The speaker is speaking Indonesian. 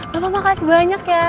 bapak makasih banyak ya